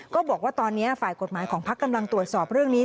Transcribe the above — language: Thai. ก็บอกว่าตอนนี้ฝ่ายกฎหมายของพักกำลังตรวจสอบเรื่องนี้